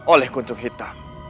oleh kuncung hitam